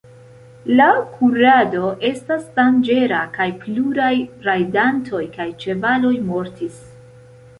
La kurado estas danĝera kaj pluraj rajdantoj kaj ĉevaloj mortis.